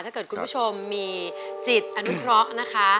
ถ้าเกิดคุณผู้ชมมีจิตอนุญกร๊อก